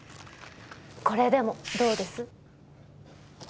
これでもどうです？